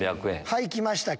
はい来ました！